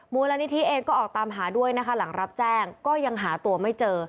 มูลนิธิเองก็ออกตามหาด้วยนะคะหลังรับแจ้งก็ยังหาตัวไม่เจอ